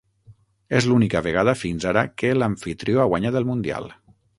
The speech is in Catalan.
És l'única vegada fins ara que l'amfitrió ha guanyat el Mundial.